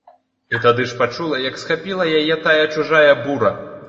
І тады ж пачула, як схапіла яе тая чужая бура.